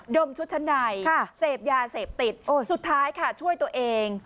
มชุดชั้นในเสพยาเสพติดสุดท้ายค่ะช่วยตัวเอง